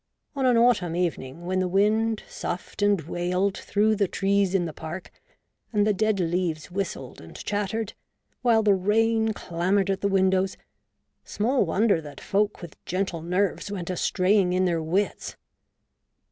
On an autumn evening, when the wind soughed and wailed through the trees in the park, and the dead leaves whistled and chattered, while the rain clamoured at the windows, small wonder that folk with gentle nerves went a straying in their wits!